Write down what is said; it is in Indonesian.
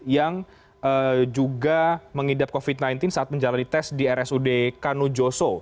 yang juga mengidap covid sembilan belas saat menjalani tes di rsud kanujoso